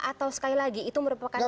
atau sekali lagi itu merupakan